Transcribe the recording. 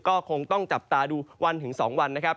ก็คงต้องจับตาดูวันถึง๒วันนะครับ